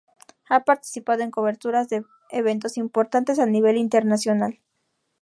Ha participado en coberturas de eventos importantes a nivel internacional.